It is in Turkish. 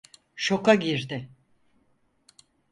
Şoka girdi.